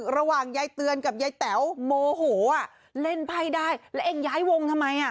ระหว่างยายเตือนกับยายแต๋วโมโหอ่ะเล่นภัยได้แล้วเองย้ายวงทำไมอ่ะ